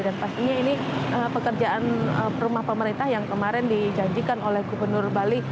dan pastinya ini pekerjaan rumah pemerintah yang kemarin dijanjikan oleh gubernur bali